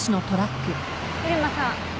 入間さん。